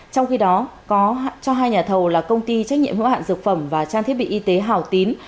trong khi đó cho hai nhà thầu là công ty trách nhiệm hữu hạn dược phẩm và trang thiết bị y tế hào tín